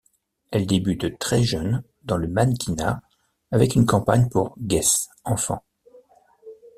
Elle débute très jeune dans le mannequinat avec une campagne pour Guess enfants.